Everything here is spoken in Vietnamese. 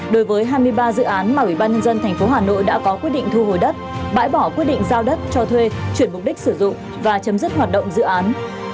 đối với hai mươi ba dự án mà ủy ban nhân dân tp hà nội đã có quyết định thu hồi đất bãi bỏ quyết định giao đất cho thuê chuyển mục đích sử dụng và chấm dứt hoạt động dự án